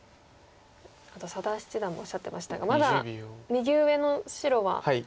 ただ佐田七段もおっしゃってましたがまだ右上の白は。